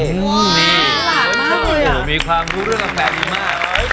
โอ้มีความผูกเรื่องกาแฟดีมาก